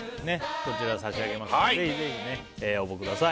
こちら差し上げますのでぜひぜひ応募ください